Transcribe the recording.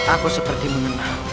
aku seperti menengah